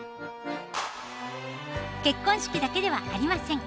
結婚式だけではありません。